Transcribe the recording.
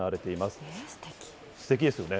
すてきですよね。